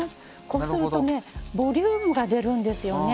こうするとねボリュームが出るんですよね。